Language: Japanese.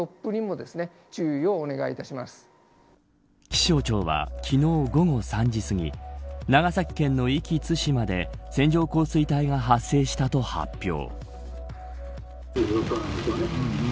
気象庁は、昨日午後３時すぎ長崎県の壱岐、対馬で線状降水帯が発生したと発表。